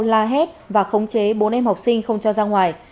la hét và khống chế bốn em học sinh không cho ra ngoài